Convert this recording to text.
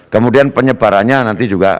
kemudian penyebarannya nanti juga